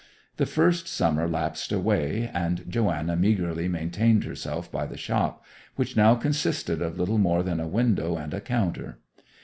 The first summer lapsed away; and Joanna meagrely maintained herself by the shop, which now consisted of little more than a window and a counter.